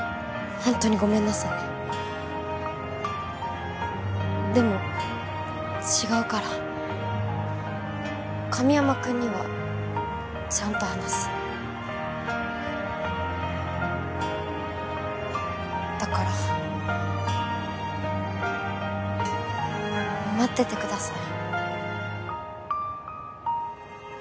ホントにごめんなさいでも違うから神山くんにはちゃんと話すだから待っててください